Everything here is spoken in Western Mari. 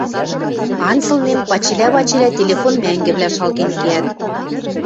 анзылнем пачелӓ-пачелӓ телефон мӓнгӹвлӓ шалген кеӓт